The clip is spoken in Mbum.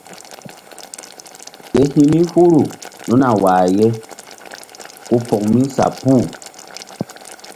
Ke hi̧ mi huru nunu a wah ye ku poŋ mi sa puh.